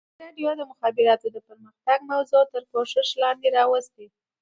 ازادي راډیو د د مخابراتو پرمختګ موضوع تر پوښښ لاندې راوستې.